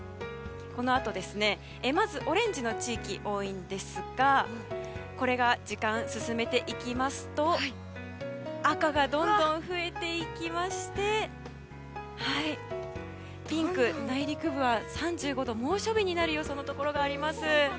まずオレンジの地域が多いんですがこれが時間を進めていきますと赤が、どんどん増えていきまして内陸部はピンク、３５度以上の猛暑日になるところもありそうです。